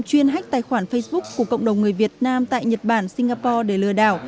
chuyên hách tài khoản facebook của cộng đồng người việt nam tại nhật bản singapore để lừa đảo